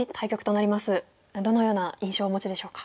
どのような印象をお持ちでしょうか？